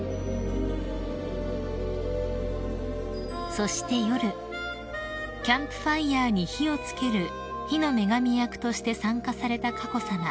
［そして夜キャンプファイアに火を付ける火の女神役として参加された佳子さま］